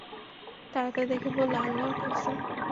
তারা তা দেখে বলল, আল্লাহর কসম!